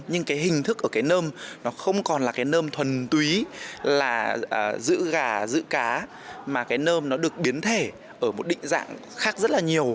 nhưng cái hình thức ở cái nơm nó không còn là cái nơm thuần túy là giữ gà giữ cá mà cái nơm nó được biến thể ở một định dạng khác rất là nhiều